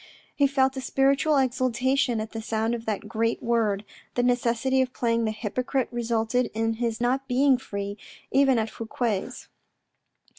He felt a spiritual exultation at the sound of that great word. The necessity of playing the hypocrite resulted in his not being free, even at Fouque's.